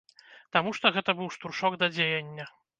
Таму што гэта быў штуршок да дзеяння.